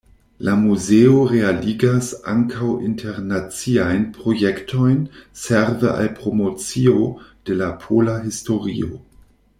La muzeo realigas ankaŭ internaciajn projektojn, serve al promocio de la pola historio.